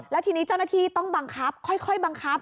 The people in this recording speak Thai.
แล้วทีนี้เจ้าหน้าที่ต้องบังคับค่อยบังคับ